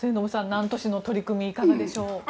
南砺市の取り組みいかがでしょう。